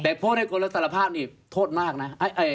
แต่โทษให้คนรับสารภาพนี่โทษมากนะ